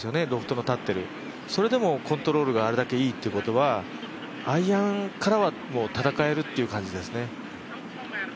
ロフトの立っているそれでもコントロールがあれだけ、いいということはアイアンからは戦えるっていう感じですね。